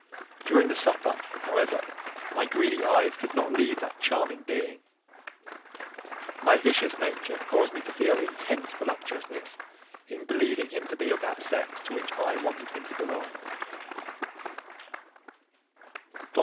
During the supper, however, my greedy eyes could not leave that charming being; my vicious nature caused me to feel intense voluptuousness in believing him to be of that sex to which I wanted him to belong.